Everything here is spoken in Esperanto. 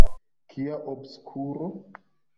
Kia obskuro!